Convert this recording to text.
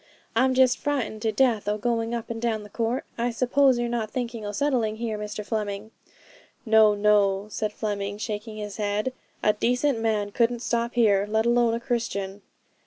I'm just frightened to death o' going up and down the court. I suppose you're not thinking o' settling here, Mr Fleming?' 'No, no,' said Fleming, shaking his head: 'a decent man couldn't stop here, let alone a Christian.'